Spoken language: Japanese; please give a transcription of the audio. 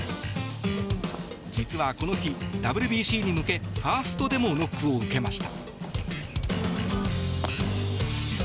実は、この日、ＷＢＣに向けファーストでもノックを受けました。